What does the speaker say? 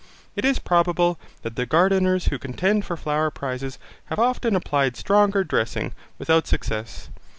It is probable that the gardeners who contend for flower prizes have often applied stronger dressing without success.